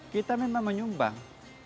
kita memang menyumbang